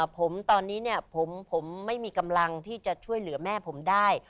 ผมตอนนี้ผมไม่มีกำลังที่จะช่วยเหลือแม่ผมได้